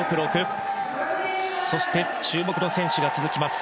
そして、注目の選手が続きます。